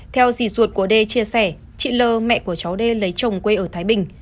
theo dì ruột của d chia sẻ chị l mẹ của cháu d lấy chồng quê ở thái bình